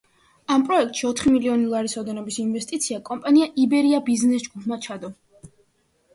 ამ პროექტში ოთხი მილიონი ლარის ოდენობის ინვესტიცია კომპანია „იბერია ბიზნეს ჯგუფმა“ ჩადო.